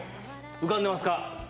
浮かんでますか？